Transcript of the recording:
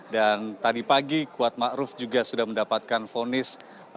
dan tadi pagi kuatmaruf juga sudah mendapatkan ponis